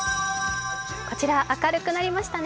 こちら明るくなりましたね。